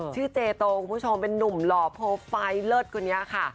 เจโตคุณผู้ชมเป็นนุ่มหล่อโปรไฟล์เลิศคนนี้ค่ะ